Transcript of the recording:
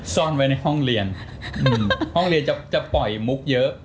ซ่อนไว้ในห้องเรียนห้องเรียนจะปล่อยมุกเยอะ